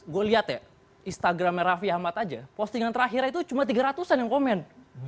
gue lihat ya instagramnya raffi ahmad aja postingan terakhirnya itu cuma tiga ratus an yang komen